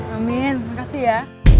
amin makasih ya